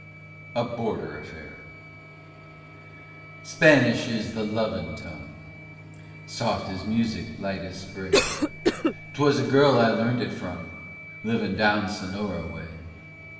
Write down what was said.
A BORDER AFFAIR Spanish is the lovin' tongue, Soft as music, light as spray. 'Twas a girl I learnt it from, Livin' down Sonora way.